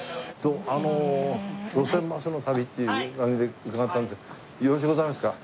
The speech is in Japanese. あの『路線バスの旅』っていうあれで伺ったんですがよろしゅうございますか？